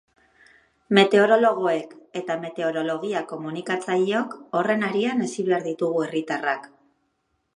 Meteorologoek eta meteorologia-komunikatzaileok horren harian hezi behar ditugu herritarrak.